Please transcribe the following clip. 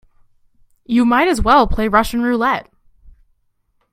You might as well play Russian roulette.